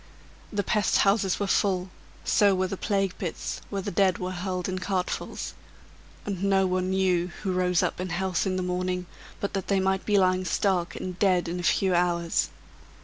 The pest houses were full, so were the plague pits, where the dead were hurled in cartfuls; and no one knew who rose up in health in the morning but that they might be lying stark and dead in a few hours.